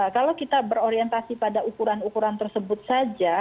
kalau kita berorientasi pada ukuran ukuran tersebut saja